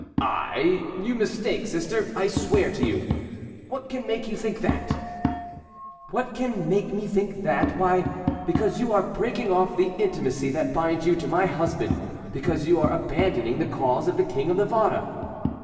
"I! you mistake, sister. I swear to you—what can make you think that?" "What can make me think that?—why, because you are breaking off the intimacy that binds you to my husband, because you are abandoning the cause of the King of Navarre."